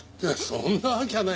そんなわけはない。